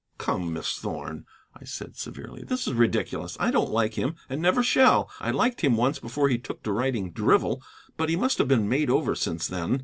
"Come, Miss Thorn," I said severely, "this is ridiculous. I don't like him, and never shall. I liked him once, before he took to writing drivel. But he must have been made over since then.